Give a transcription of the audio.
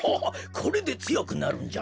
これでつよくなるんじゃな。